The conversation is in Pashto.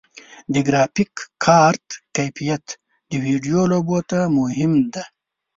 د ګرافیک کارت کیفیت د ویډیو لوبو ته مهم دی.